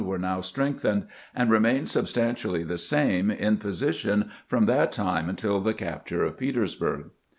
were now strengthened, and remained substantially the same in position from that time until the capture of Petersburg.